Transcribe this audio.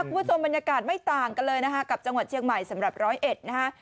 คุณผู้ชมบรรยากาศไม่ต่างกันเลยนะคะกับจังหวัดเชียงใหม่สำหรับร้อยเอ็ดนะฮะ